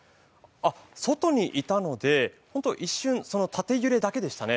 外にいたので、一瞬、縦揺れだけでしたね。